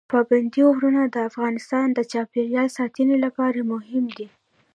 پابندي غرونه د افغانستان د چاپیریال ساتنې لپاره مهم دي.